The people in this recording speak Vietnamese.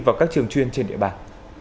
vào các trường chuyên trên địa bàn